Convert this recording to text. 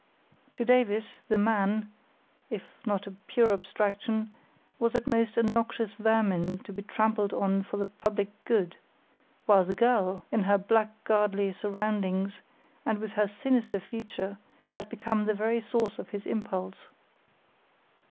To Davies, the man, if not a pure abstraction, was at most a noxious vermin to be trampled on for the public good; while the girl, in her blackguardly surroundings, and with her sinister future, had become the very source of his impulse.